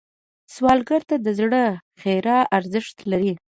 سوالګر ته د زړه خیر ارزښت لري